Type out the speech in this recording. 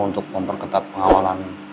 untuk memperketat pengawalan